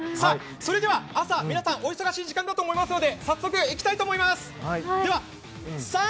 それでは朝、皆さんお忙しい時間だと思いますので早速いきたいと思います。